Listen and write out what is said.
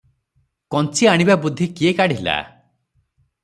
କଞ୍ଚି ଆଣିବା ବୁଦ୍ଧି କିଏ କାଢ଼ିଲା?